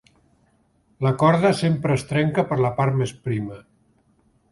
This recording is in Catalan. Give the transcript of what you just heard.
La corda sempre es trenca per la part més prima.